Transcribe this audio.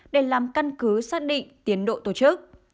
để làm căn cứ xác định tiến độ tổ chức